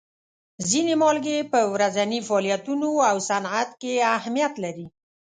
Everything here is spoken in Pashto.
ځینې مالګې په ورځیني فعالیتونو او صنعت کې اهمیت لري.